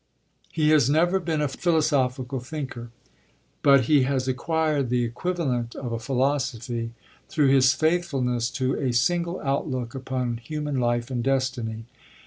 He has never been a philosophical thinker; but he has acquired the equivalent of a philosophy through his faithfulness to a single outlook upon human life and destiny.